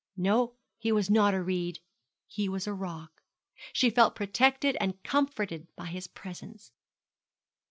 No, he was not a reed, he was a rock. She felt protected and comforted by his presence.